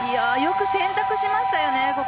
よく選択しましたよね。